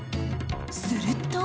すると］